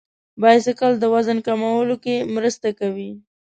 بایسکل د وزن کمولو کې مرسته کوي.